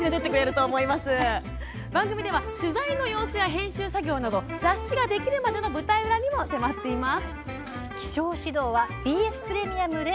番組では取材の様子や編集作業など雑誌ができるまでの舞台裏にも迫っています。